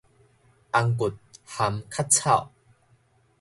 紅骨蚶殼草